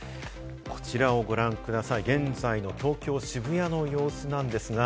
こちらをご覧ください、現在の東京・渋谷の様子です。